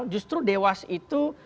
justru dewas itu